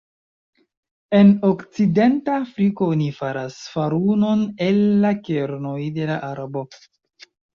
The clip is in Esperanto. En okcidenta Afriko oni faras farunon el la kernoj de la arbo.